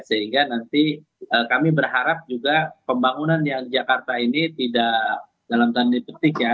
sehingga nanti kami berharap juga pembangunan yang jakarta ini tidak dalam tanggung jawab